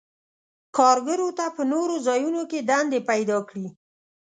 کارګرو ته په نورو ځایونو کې دندې پیداکړي.